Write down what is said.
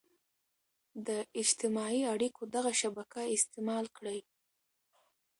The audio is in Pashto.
د اجتماعي اړيکو دغه شبکه استعمال کړي.